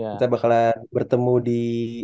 kita bakal bertemu di